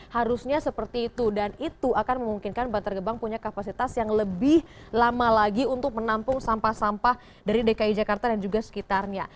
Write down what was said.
harusnya seperti itu dan itu akan memungkinkan bantar gebang punya kapasitas yang lebih lama lagi untuk menampung sampah sampah dari dki jakarta dan juga sekitarnya